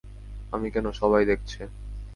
আমি কেন, সবাই দেখছে।